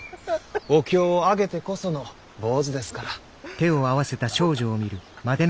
お経をあげてこその坊主ですから。